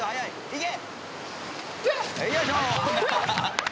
いけ！